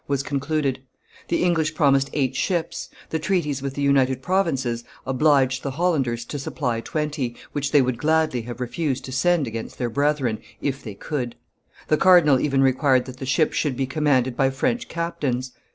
was concluded; the English promised eight ships; the treaties with the United Provinces obliged the Hollanders to supply twenty, which they would gladly have refused to send against their brethren, if they could; the cardinal even required that the ships should be commanded by French captains.